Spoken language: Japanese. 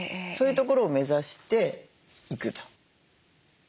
そういうところを目指していくと。